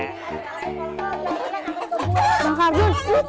lu tuh pake berantem lu